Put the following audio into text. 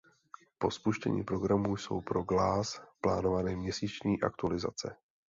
Po spuštění programu jsou pro Glass plánovány měsíční aktualizace.